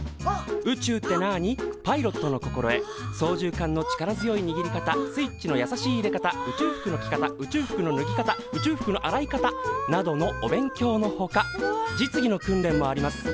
「宇宙ってなぁに」「パイロットの心得」「操縦桿の力強い握り方」「スイッチのやさしい入れ方」「宇宙服の着方」「宇宙服の脱ぎ方」「宇宙服の洗い方」などのお勉強のほか実技の訓練もあります。